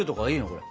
これ。